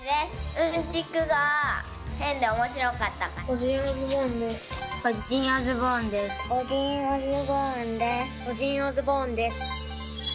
オジンオズボーンです。